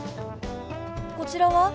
こちらは？